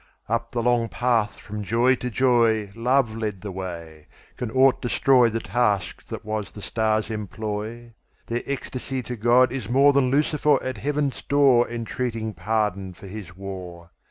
Up the long path from joy to joyLove led the way. Can aught destroyThe task that was the stars' employ? Their ecstasy to God is moreThan Lucifer at Heaven's doorEntreating pardon for his war.